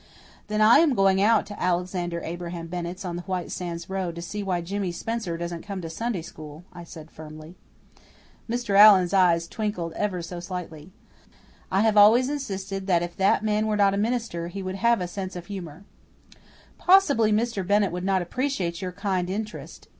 "Then I am going out to Alexander Abraham Bennett's on the White Sands road to see why Jimmy Spencer doesn't come to Sunday school," I said firmly. Mr. Allan's eyes twinkled ever so slightly. I have always insisted that if that man were not a minister he would have a sense of humour. "Possibly Mr. Bennett will not appreciate your kind interest!